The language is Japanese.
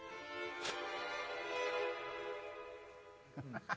ハハハハ。